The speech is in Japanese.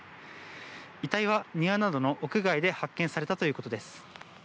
遺体は庭などの屋外で発見されたということです。